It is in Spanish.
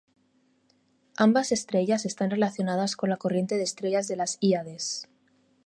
Ambas estrellas están relacionadas con la corriente de estrellas de las Híades.